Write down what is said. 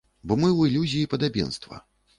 Бо мы ў ілюзіі падабенства.